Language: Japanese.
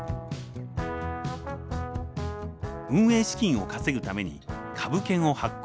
運営資金を稼ぐために株券を発行。